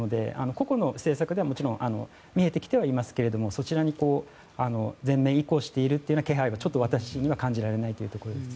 個々の政策ではもちろん見えてきてはいますけれどもそちらに全面移行している気配は私には感じられないというところです。